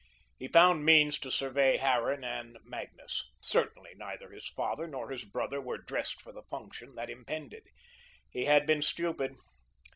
He found means to survey Harran and Magnus. Certainly, neither his father nor his brother were dressed for the function that impended. He had been stupid.